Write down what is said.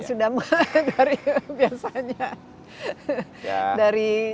sudah mulai dari biasanya